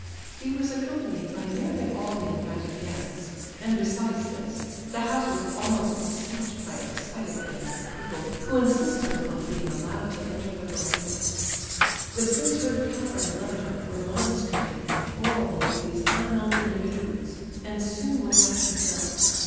He was accompanied by nearly all the invited guests, and besides this, the house was almost besieged by excited bands of people, who insisted upon being allowed to enter the verandah. The prince heard Keller and Lebedeff remonstrating and quarrelling with these unknown individuals, and soon went out himself.